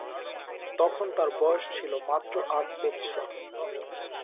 তখন তার বয়স ছিল মাত্র আট বৎসর।